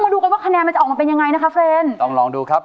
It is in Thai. ดูกันว่าคะแนนมันจะออกมาเป็นยังไงนะคะเฟรนต้องลองดูครับ